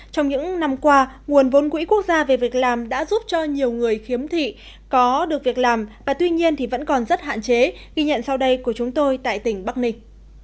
trong những năm qua nguồn vốn quỹ quốc gia về việc làm đã giúp cho nhiều người khiếm thị có được việc làm và tuy nhiên thì vẫn còn rất hạn chế ghi nhận sau đây của chúng tôi tại tỉnh bắc ninh